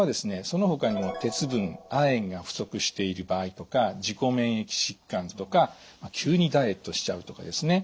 そのほかにも鉄分亜鉛が不足している場合とか自己免疫疾患とか急にダイエットしちゃうとかですね